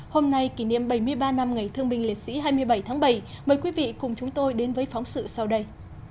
hôm nay kỷ niệm bảy mươi ba năm ngày thương binh liệt sĩ hai mươi bảy tháng bảy mời quý vị cùng chúng tôi đến với phóng sự sau đây